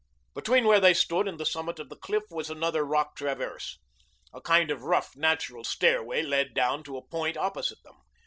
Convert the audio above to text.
Between where they stood and the summit of the cliff was another rock traverse. A kind of rough, natural stairway led down to a point opposite them.